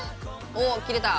お切れた。